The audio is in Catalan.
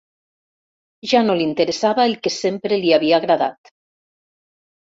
Ja no li interessava el que sempre li havia agradat.